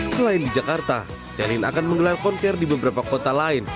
selain di jakarta selin akan menggelar konser di beberapa kota lain